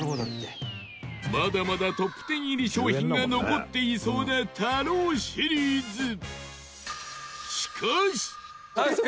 まだまだトップ１０入り商品が残っていそうな太郎シリーズしかしタカ：